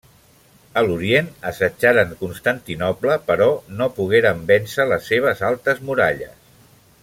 A l'Orient, assetjaren Constantinoble, però no pogueren vèncer les seves altes muralles.